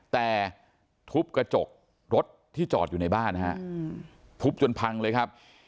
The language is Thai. แต่ทุบกระจกรถที่จอดอยู่ในบ้านฮะทุบจนพังเลยครับ